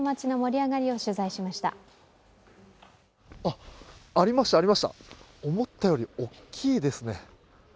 ありました、ありました思ったより大きいですね。